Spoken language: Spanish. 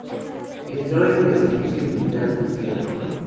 Entró en el servicio militar prusiano.